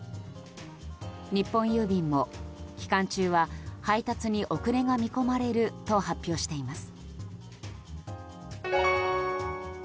日本郵便も期間中は配達に遅れが見込まれると発表しています。